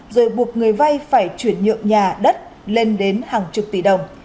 rồi buộc người vay phải chuyển nhượng nhà đất lên đến hàng chục tỷ đồng